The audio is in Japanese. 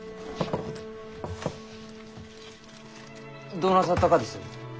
どうなさったがです？